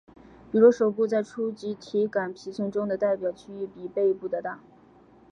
比如手部在初级体感皮层中的代表区域比背部的大。